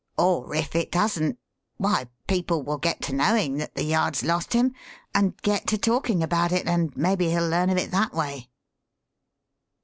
Or if it doesn't, why, people will get to knowing that the Yard's lost him and get to talking about it and maybe he'll learn of it that way."